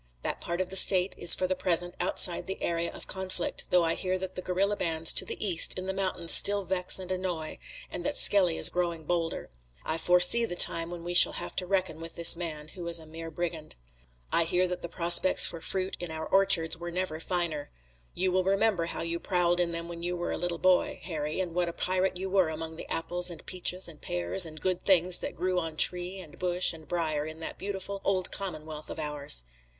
That part of the State is for the present outside the area of conflict, though I hear that the guerilla bands to the east in the mountains still vex and annoy, and that Skelly is growing bolder. I foresee the time when we shall have to reckon with this man, who is a mere brigand. I hear that the prospects for fruit in our orchards were never finer. You will remember how you prowled in them when you were a little boy, Harry, and what a pirate you were among the apples and peaches and pears and good things that grew on tree and bush and briar in that beautiful old commonwealth of ours.